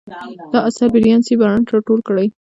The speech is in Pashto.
دا اثر بریان سي بارنټ راټول کړی.